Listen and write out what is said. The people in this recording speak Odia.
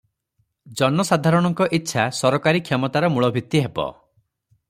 ଜନସାଧାରଣଙ୍କ ଇଚ୍ଛା ସରକାରୀ କ୍ଷମତାର ମୂଳଭିତ୍ତି ହେବ ।